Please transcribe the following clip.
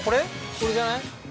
◆これじゃない？